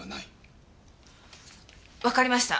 わかりました。